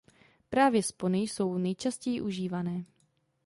Právě spony jsou nejčastěji užívané.